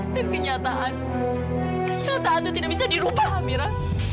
kenyataan kenyataan itu tidak bisa dirubah amira